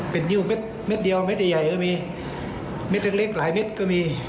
เป็นนิ้วเม็ดเดียวเม็ดใหญ่ก็มีเม็ดเล็กหลายเม็ดก็มี